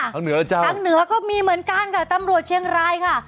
ทางเหนือก็มีเหมือนกันตำรวจเชียงรายค่ะ